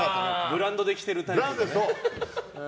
ブランドで着てるタイプでね。